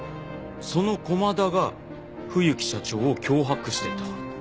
その駒田が冬木社長を脅迫してた。